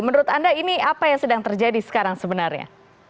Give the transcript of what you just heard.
menurut anda ini apa yang sedang terjadi sekarang sebenarnya